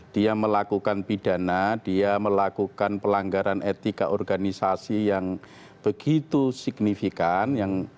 dia melakukan pidana dia melakukan pelanggaran etika organisasi yang begitu signifikan